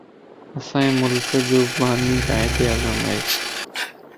اسان جي ملڪ جو باني قائد اعظم ائي